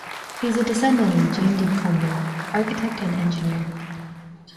He is a descendant of Eugène Decomble, architect and engineer.